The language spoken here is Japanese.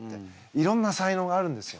いろんな才能があるんですよ。